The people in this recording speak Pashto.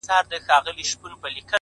چي د دواړو په شعرونو کي -